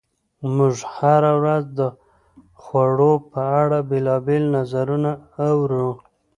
موږ هره ورځ د خوړو په اړه بېلابېل نظرونه اورو.